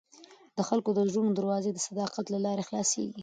د خلکو د زړونو دروازې د صداقت له لارې خلاصېږي.